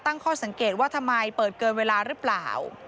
ตั้งข้อสังเกตว่าทำไมเปิดเกินเวลาหรือเปล่า